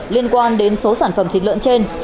liên quan đến số sản phẩm thịt lợn trên